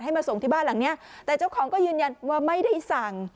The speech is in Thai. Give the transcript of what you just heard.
มาส่งที่บ้านหลังเนี้ยแต่เจ้าของก็ยืนยันว่าไม่ได้สั่ง